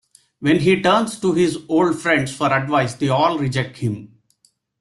When he turns to his old friends for advice, they all reject him.